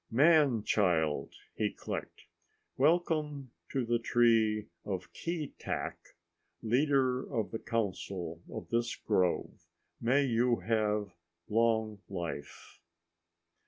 "Man child," he clicked, "welcome to the tree of Keetack, leader of the council of this grove. May you have long life."